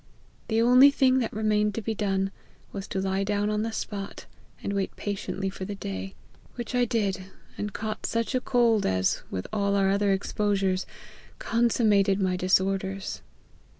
The only thing that remained to be done was to lie down on the spot, and wait patiently for the day : which I did, and caught such a cold, as, with all our other exposures, consummated my disorders.